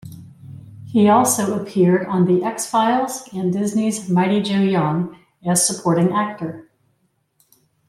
He also appeared on "The X-Files" and Disneys "Mighty Joe Young" as supporting actor.